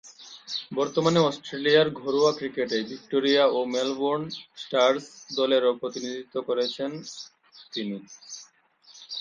বর্তমানে অস্ট্রেলিয়ার ঘরোয়া ক্রিকেটে ভিক্টোরিয়া ও মেলবোর্ন স্টার্স দলেরও প্রতিনিধিত্ব করছেন তিনি।